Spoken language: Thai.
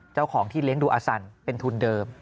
เจ้าของที่เลี้ยงดูอสันเป็นทุนเดิม